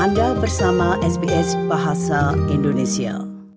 anda bersama sbs bahasa indonesia